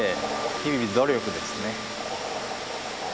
日々努力ですね。